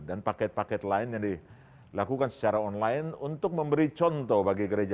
dan paket paket lain yang dilakukan secara online untuk memberi contoh bagi gereja gereja